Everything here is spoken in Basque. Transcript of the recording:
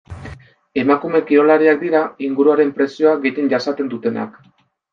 Emakume kirolariak dira inguruaren presioa gehien jasaten dutenak.